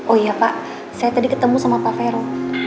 oh iya pak saya tadi ketemu sama pak vero